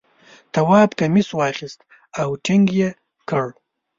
تواب کمیس واخیست او ټینګ یې کړ.